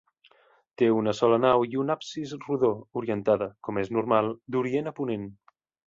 Té una sola nau i un absis rodó, orientada, com és normal, d'orient a ponent.